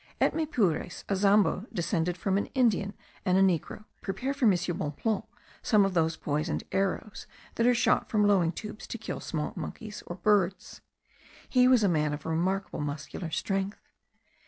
At Maypures, a zambo descended from an Indian and a negro, prepared for M. Bonpland some of those poisoned arrows, that are shot from blowing tubes to kill small monkeys or birds. He was a man of remarkable muscular strength.